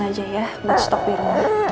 aja ya buat stop biru